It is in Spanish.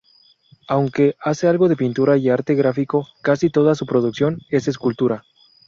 Aunque hace algo de pintura y arte gráfico, casi toda su producción es escultura.